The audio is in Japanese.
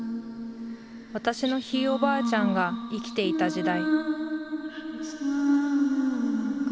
私のひいおばあちゃんが生きていた時代